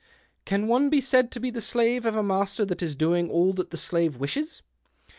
' Can one be said to be the slave of a master that is doino all that the slave wishes ?